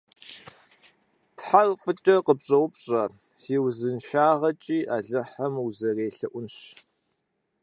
Тхьэр фӀыкӀэ къыпщӀэупщӀэ, – си узыншагъэкӀи Алыхьым узэрелъэӀунщ.